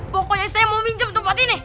pokoknya saya mau minjem tempat ini